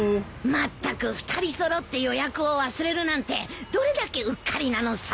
・まったく２人揃って予約を忘れるなんてどれだけうっかりなのさ。